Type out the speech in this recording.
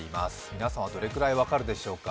皆さんはどれくらい分かるでしょうか。